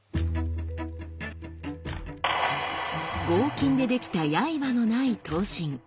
合金で出来たやいばのない刀身。